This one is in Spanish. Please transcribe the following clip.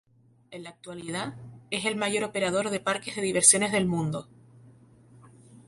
En la actualidad, es el mayor operador de parques de diversiones en el mundo.